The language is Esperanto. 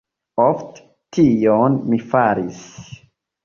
Ofte, tion mi faris.